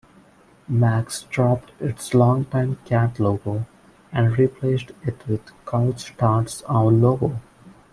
Mac's dropped its longtime cat logo, and replaced it with Couche-Tard's owl logo.